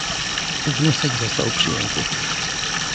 Wniosek został przyjęty